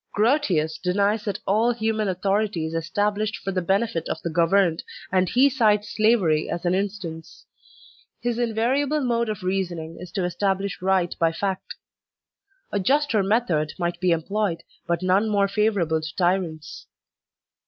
Grotius* denies that all human authority is established for the benefit of the governed, and he cites slavery as an instance. His invariable mode of reasoning is to establish right by fact. A juster method might be em ployed, but none more favorable to tyrants.